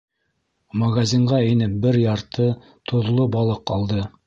Магазинға инеп бер ярты, тоҙло балыҡ алды.